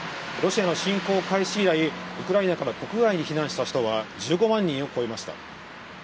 ロシアの侵攻開始以来、ウクライナから国外に避難した人は１５万人を超えました。